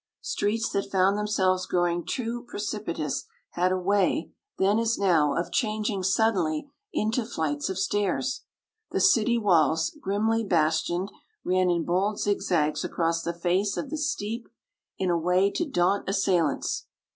Streets that found themselves growing too precipitous had a way, then as now, of changing suddenly into flights of stairs. The city walls, grimly bastioned, ran in bold zigzags across the face of the steep in a way to daunt assailants.